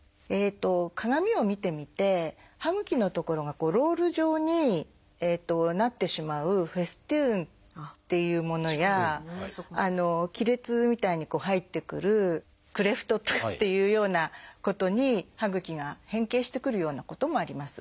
鏡を見てみて歯ぐきの所がロール状になってしまう「フェストゥーン」っていうものや亀裂みたいに入ってくる「クレフト」っていうようなことに歯ぐきが変形してくるようなこともあります。